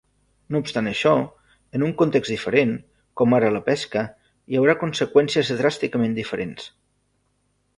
No obstant això, en un context diferent, com ara la pesca, hi haurà conseqüències dràsticament diferents.